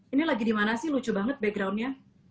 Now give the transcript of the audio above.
ini lagi dimana sih lucu banget backgroundnya